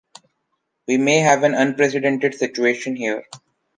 We may have an unprecedented situation here.